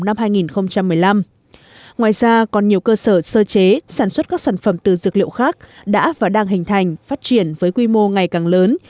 năm hai nghìn một mươi năm ngoài ra còn nhiều cơ sở sơ chế sản xuất các sản phẩm từ dược liệu khác đã và đang hình thành phát triển với quy mô ngày càng lớn